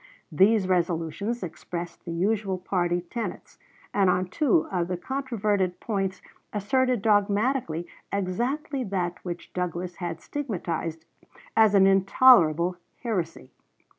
These resolutions expressed the usual party tenets; and on two of the controverted points asserted dogmatically exactly that which Douglas had stigmatized as an intolerable heresy.